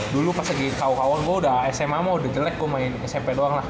dulu pas lagi kawa kawan gue udah sma mau udah jelek gue main smp doang lah